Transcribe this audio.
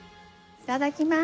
いただきます。